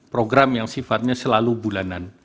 program yang sifatnya selalu bulanan